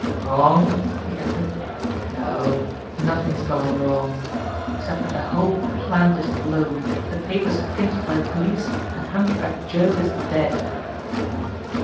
"Wrong?" he echoed. "No ; nothing's gone wrong, except that the whole plant is blown, the papers pinched by the police, and Hunchback Joe is dead."